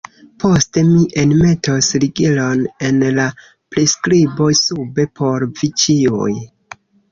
Poste mi enmetos ligilon en la priskribo sube por vi ĉiuj.